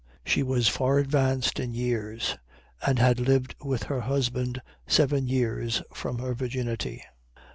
She was far advanced in years and had lived with her husband seven years from her virginity.